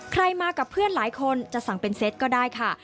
มากับเพื่อนหลายคนจะสั่งเป็นเซตก็ได้ค่ะ